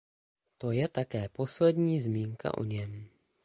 To je také poslední zmínka o něm.